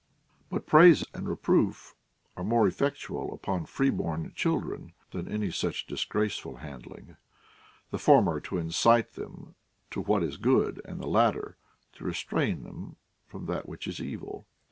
But praise and reproof are more eff"ectual upon free born children than any such dissrraceful handling ; the former to incite them to what is good, and the latter to restrain them from that which is evil.